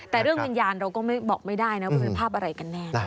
แต่เรื่องวิญญาณเราก็บอกไม่ได้นะว่าเป็นภาพอะไรกันแน่